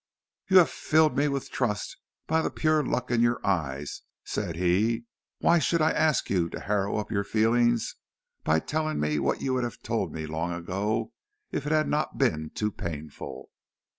"You have filled me with trust by the pure look in your eyes," said he. "Why should I ask you to harrow up your feelings by telling me what you would have told me long ago, if it had not been too painful?"